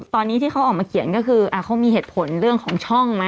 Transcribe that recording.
ตอนนี้ที่เขาออกมาเขียนก็คือเขามีเหตุผลเรื่องของช่องไหม